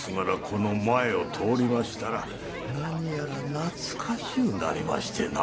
この前を通りましたら何やら懐かしゅうなりましてな。